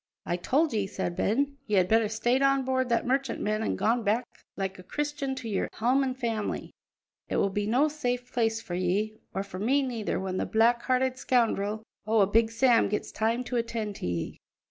"I told ye," said Ben, "ye had better stayed on board that merchantman an' gone back like a Christian to your ain hame an' family. It will be no safe place for ye, or for me neither, when that black hearted scoundrel o' a Big Sam gets time to attend to ye."